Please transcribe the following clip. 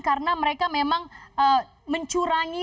karena mereka memang mencurangi